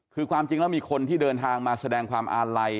คือความจริงแล้วมีคนที่เดินทางมาแสดงความอาลัย